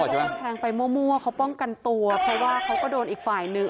ต้องแทงไปมั่วเขาป้องกันตัวเพราะว่าเขาก็โดนอีกฝ่ายหนึ่ง